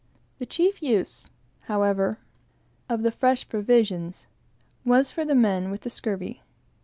The chief use, however, of the fresh provisions, was for the men with the scurvy.